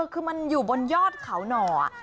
คือมันอยู่บนยอดเขาหน่อ